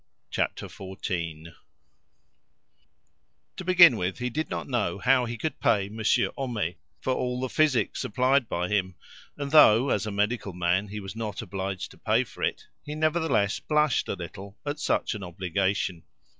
Chapter Fourteen To begin with, he did not know how he could pay Monsieur Homais for all the physic supplied by him, and though, as a medical man, he was not obliged to pay for it, he nevertheless blushed a little at such an obligation.